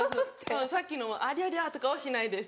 さっきのも「ありゃりゃ」とかはしないです。